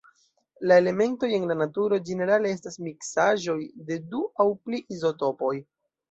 La elementoj en la naturo ĝenerale estas miksaĵoj de du aŭ pli izotopoj.